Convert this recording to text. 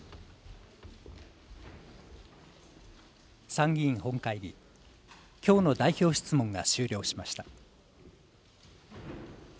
参議院本会議、きょうの代表質問が終了しました。